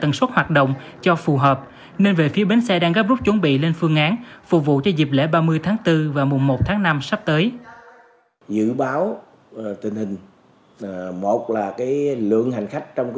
tần suất hoạt động cho phù hợp nên về phía bến xe đang gấp rút chuẩn bị lên phương án phục vụ cho